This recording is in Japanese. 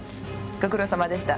ご苦労様でした。